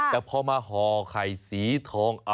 แต่พอมาห่อไข่สีทอง